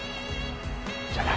じゃあな。